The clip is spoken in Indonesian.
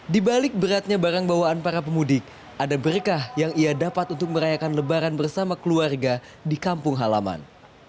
di balik beratnya barang bawaan para pemudik ada berkah yang ia dapat untuk merayakan lebaran bersama keluarga di kampung halaman